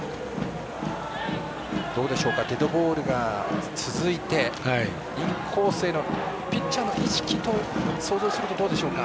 デッドボールが続いてインコースへのピッチャーの意識を想像するとどうでしょうか？